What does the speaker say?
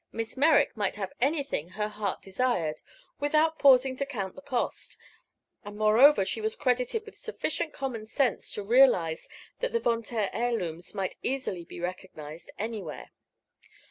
Miss Merrick might have anything her heart desired with out pausing to count the cost, and moreover she was credited with sufficient common sense to realize that the Von Taer heirlooms might easily be recognized anywhere.